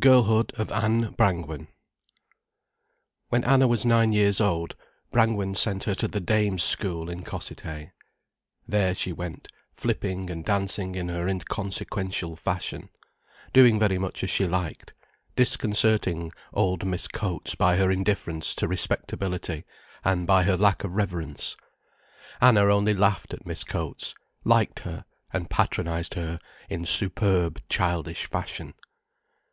GIRLHOOD OF ANNA BRANGWEN When Anna was nine years old, Brangwen sent her to the dames' school in Cossethay. There she went, flipping and dancing in her inconsequential fashion, doing very much as she liked, disconcerting old Miss Coates by her indifference to respectability and by her lack of reverence. Anna only laughed at Miss Coates, liked her, and patronized her in superb, childish fashion.